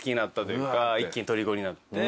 一気にとりこになって。